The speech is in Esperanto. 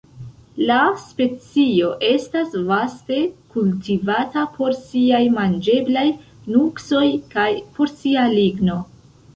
La specio estas vaste kultivata por siaj manĝeblaj nuksoj kaj por sia ligno.